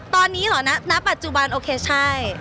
ตอนนี้เหรอณปัจจุบันโอเคใช่